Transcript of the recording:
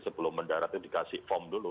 sebelum mendarat itu dikasih form dulu